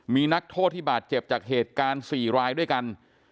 มีนักโทษที่บาดเจ็บจากเหตุการณ์๔รายด้วยกัน